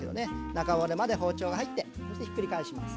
中骨まで包丁が入ってそしてひっくり返します。